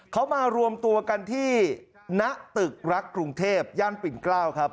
เขามารวมตัวกันที่ณตึกรักกรุงเทพย่านปิ่นเกล้าครับ